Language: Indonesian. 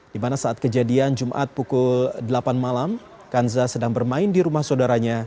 di mana saat kejadian jumat pukul delapan malam kanza sedang bermain di rumah saudaranya